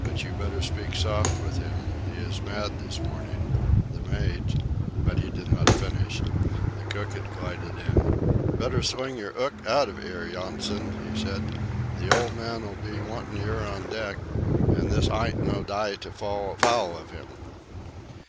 But you better speak soft with him. He is mad this morning. The mate—" But he did not finish. The cook had glided in. "Better sling yer 'ook out of 'ere, Yonson," he said. "The old man'll be wantin' yer on deck, an' this ayn't no d'y to fall foul of 'im."